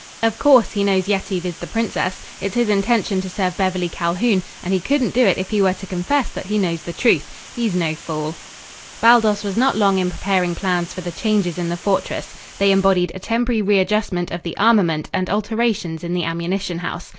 Of course, he knows Yetive is the princess. It's his intention to serve Beverly Calhoun, and he couldn't do it if he were to confess that he knows the truth. He's no fool." Baldos was not long in preparing plans for the changes in the fortress. They embodied a temporary readjustment of the armament and alterations in the ammunition house.